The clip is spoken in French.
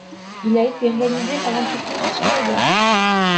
Il a été réalisé par l'entreprise Schneider.